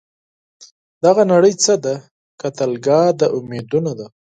دغه نړۍ څه ده؟ قتلګاه د امیدونو ده